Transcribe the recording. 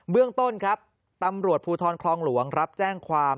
เรื่องต้นครับตำรวจภูทรคลองหลวงรับแจ้งความ